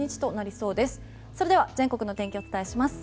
それでは全国の天気お伝えします。